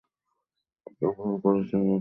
তাকে ভুল করে চিহ্নিত করা হয়েছে।